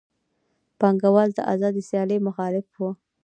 پانګوال د آزادې سیالۍ مخالف وو